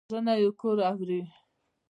وژنه یو کور اوروي